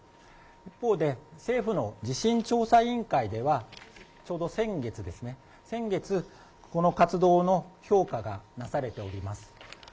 一方で、政府の地震調査委員会では、ちょうど先月ですね、先月、この活動の評価がなされております。